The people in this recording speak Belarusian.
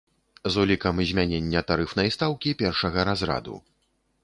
З улікам змянення тарыфнай стаўкі першага разраду.